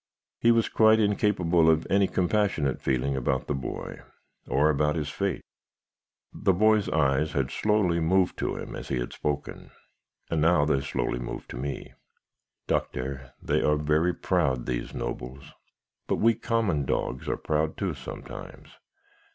He was quite incapable of any compassionate feeling about the boy, or about his fate. "The boy's eyes had slowly moved to him as he had spoken, and they now slowly moved to me. "'Doctor, they are very proud, these Nobles; but we common dogs are proud too, sometimes.